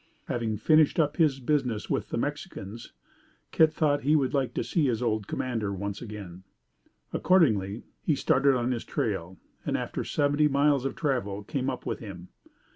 Having finished up his business with the Mexicans, Kit thought he would like to see his old commander once again. Accordingly, he started on his trail: and, after seventy miles of travel, came up with him.